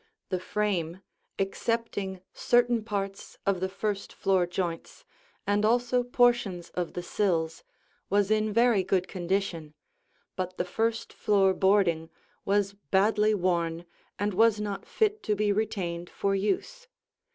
The frame, excepting certain parts of the first floor joints and also portions of the sills, was in very good condition, but the first floor boarding was badly worn and was not fit to be retained for use.